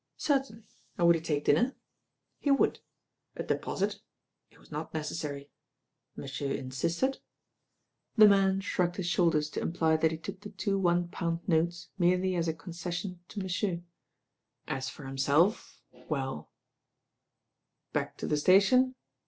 Certainly, and would he take dinner? He would. A deposit? It was not necessary. Monsieur insisted? The man shrugged his shoulders to imply that he took the two on«. pound notes merely as a concession to monsieuin THE PURSUIT TO FOLKESTONE 188 a for himself, weU "Back to the station?